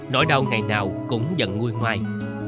nỗi đau ngày nào cũng dần nguôi ngoai